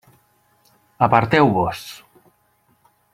Aparteu-vos!